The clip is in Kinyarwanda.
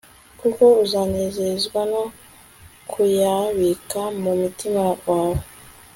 kuko uzanezezwa no kuyabika mu mutima wawe